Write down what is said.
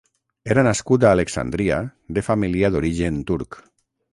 Era nascut a Alexandria de família d'origen turc.